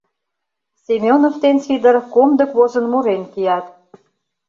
Семёнов ден Сидыр комдык возын мурен кият.